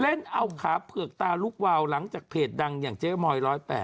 เล่นเอาขาเผือกตาลุกวาวหลังจากเพจดังอย่างเจ๊มอย๑๐๘